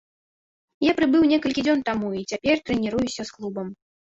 Я прыбыў некалькі дзён таму і цяпер трэніруюся з клубам.